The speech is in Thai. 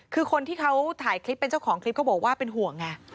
คือคนที่เขาถ่ายคลิปเป็นเจ้าของคลิปเขาบอกว่าเป็นห่วงไง